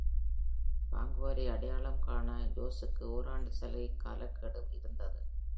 வாங்குபவரை அடையாளம் காண ரோஜர்சுக்கு ஓராண்டு சலுகைக் காலக் கெடு இருந்தது.